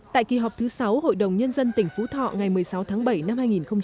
tại kỳ họp thứ sáu hội đồng nhân dân tỉnh phú thọ ngày một mươi sáu tháng bảy năm hai nghìn hai mươi